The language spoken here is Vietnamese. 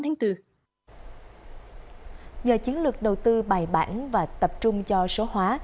nhờ chiến lược đầu tư bài bản và tập trung cho số hóa